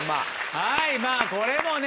はいまぁこれもね。